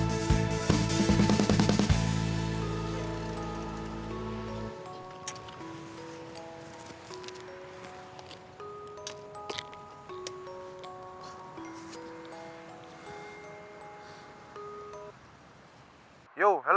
kinda kedel pendingan ya